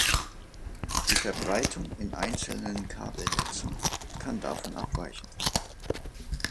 Die Verbreitung in einzelnen Kabelnetzen kann davon abweichen.